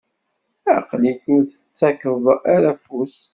Aql-ik ur d-tettakeḍ ara afus.